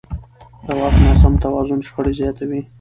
د واک ناسم توازن شخړې زیاتوي